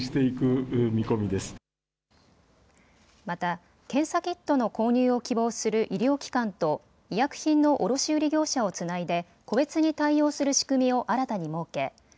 また、検査キットの購入を希望する医療機関と医薬品の卸売り業者をつないで個別に対応する仕組みを新たに設け